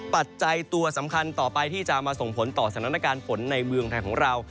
ปัจจัยตัวสำคัญต่อไปที่จะมาส่งผลต่อสถานการณ์ฝนในเมืองไทยของเรา